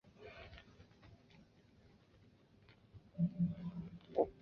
游戏背景构建了各天神与鬼怪之间的争斗与仇怨。